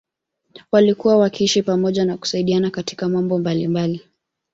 Walikuwa wakiishi pamoja na kusaidiana katika mambo mbalimbali